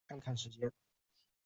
看了看时间